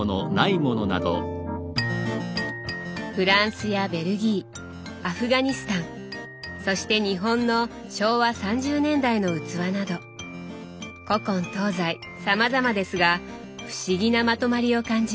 フランスやベルギーアフガニスタンそして日本の昭和３０年代の器など古今東西さまざまですが不思議なまとまりを感じます。